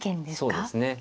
そうですね。